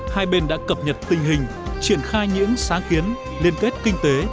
hai bên đã cập nhật tình hình triển khai những sáng kiến liên kết kinh tế